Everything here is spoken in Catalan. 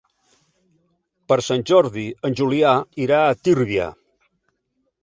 Per Sant Jordi en Julià irà a Tírvia.